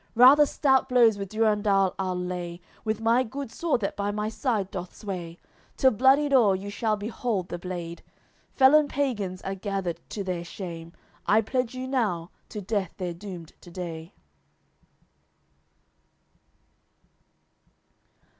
Rather stout blows with Durendal I'll lay, With my good sword that by my side doth sway; Till bloodied o'er you shall behold the blade. Felon pagans are gathered to their shame; I pledge you now, to death they're doomed to day."